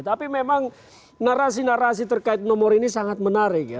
tapi memang narasi narasi terkait nomor ini sangat menarik ya